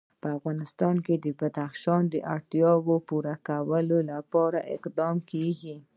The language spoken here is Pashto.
په افغانستان کې د بدخشان د اړتیاوو پوره کولو لپاره اقدامات کېږي.